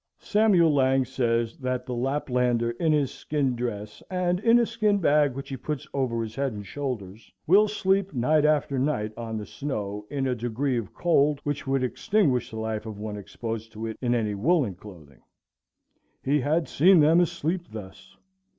Samuel Laing says that "the Laplander in his skin dress, and in a skin bag which he puts over his head and shoulders, will sleep night after night on the snow—in a degree of cold which would extinguish the life of one exposed to it in any woollen clothing." He had seen them asleep thus.